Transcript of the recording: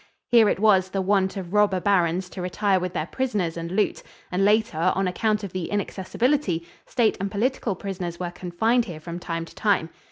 Here it was the wont of robber barons to retire with their prisoners and loot; and later, on account of the inaccessibility, state and political prisoners were confined here from time to time.